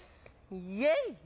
イエイ！